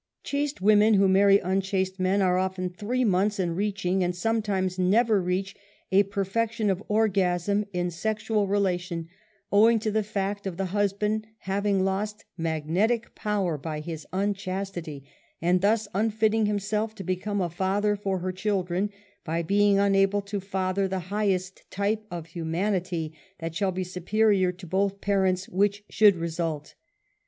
w.«««^^ \ Chaste women who marry unchaste men, are often/ ^ three months in reaching and sometimes never reachX a perfection of orgasm in sexual relation, owing / to the fact of the husband having lost magnetic power by his unchastity, and thus unfitting himself to become a father for her children, by being unable to father the highest type of humanity that shall be superior to both parents which should result.